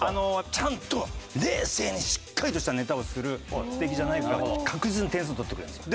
ちゃんと冷静にしっかりとしたネタをする素敵じゃないかは確実に点数取ってくれるんですよ。